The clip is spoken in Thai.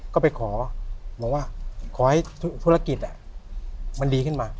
ก็ไปขอบอกว่าขอให้ธุรกิจมันดีขึ้นมา